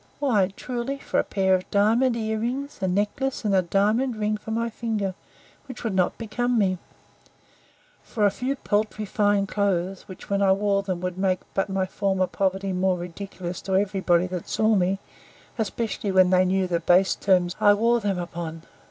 Why, truly, for a pair of diamond ear rings, a necklace, and a diamond ring for my finger; which would not become me: For a few paltry fine clothes, which, when I wore them, would make but my former poverty more ridiculous to every body that saw me; especially when they knew the base terms I wore them upon.